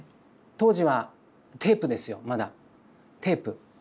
当時はテープですよまだテープ。